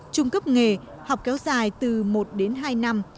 trung cấp nghề học kéo dài từ một đến hai năm